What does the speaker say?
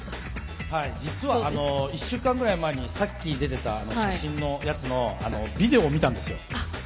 実は１週間くらい前にさっき出ていた写真のやつのビデオを見たんです。